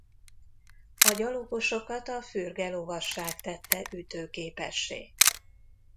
A gyalogosokat a fürge lovasság tette ütőképessé.